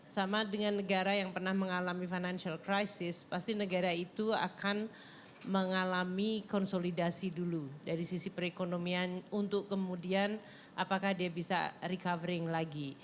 sama dengan negara yang pernah mengalami financial crisis pasti negara itu akan mengalami konsolidasi dulu dari sisi perekonomian untuk kemudian apakah dia bisa recovery lagi